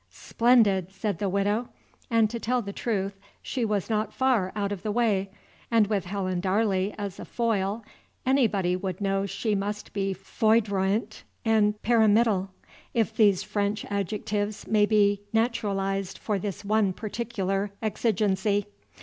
"Splendid!" said the Widow and to tell the truth, she was not far out of the way, and with Helen Darley as a foil anybody would know she must be foudroyant and pyramidal, if these French adjectives may be naturalized for this one particular exigency.